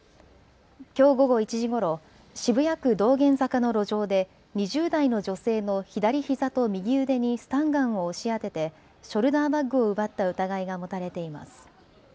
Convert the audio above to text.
きょう午後１時ごろ渋谷区道玄坂の路上で２０代の女性の左ひざと右腕にスタンガンを押し当ててショルダーバッグを奪った疑いが持たれています。